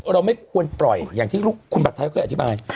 เราไม่ควรปล่อยอย่างที่คุณบัตรไทยเคยอธิบาย